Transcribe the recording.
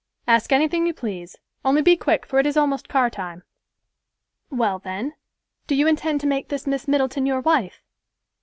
"Ask anything you please; only be quick, for it is almost car time." "Well then, do you intend to make this Miss Middleton your wife?"